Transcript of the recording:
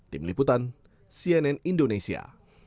tim liputan cnn indonesia